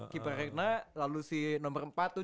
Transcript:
keeper rekna lalu si nomor empat tuh